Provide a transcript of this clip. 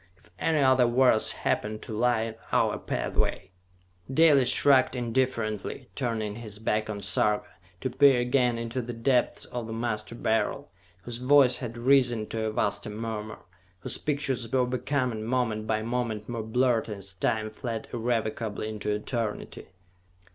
If any other worlds happen to lie in our pathway...." Dalis shrugged indifferently, turning his back on Sarka, to peer again into the depths of the Master Beryl, whose voice had risen to a vaster murmur, whose pictures were becoming moment by moment more blurred as time fled irrevocably into eternity.